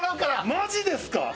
マジですか？